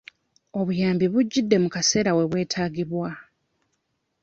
Obuyambi bujjidde mu kaseera we bwetagibwa.